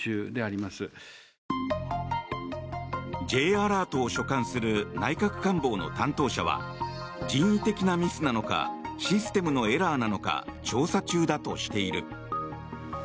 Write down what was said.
Ｊアラートを所管する内閣官房の担当者は人為的なミスなのかシステムのエラーなのか調査中だとしている。